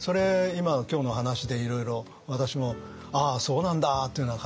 今今日の話でいろいろ私もああそうなんだというような感じで。